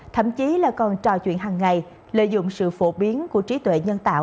thậm chí là còn trò chuyện hàng ngày lợi dụng sự phổ biến của trí tuệ nhân tạo